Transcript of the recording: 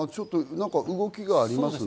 動きがありますね。